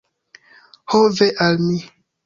Ho ve al mi!